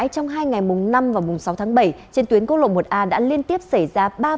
trong hai ngày xe khách chạy tuyến quốc lộ một a đã liên tiếp gây tai nạn giao thông